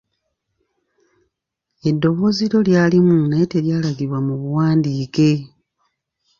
Eddoboozi eryo lyalimu naye teryalagibwa mu buwandiike.